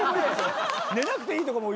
寝なくていいとかも。